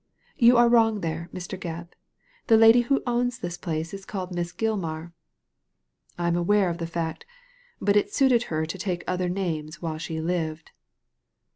"You are wrong there, Mr. Gebb; the lady who owns this place is called Miss Gilmar." "* I am aware of the fact But it suited her to take other names while she lived."